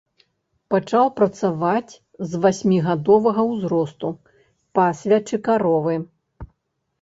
Пачаў працаваць з васьмігадовага ўзросту, пасвячы каровы.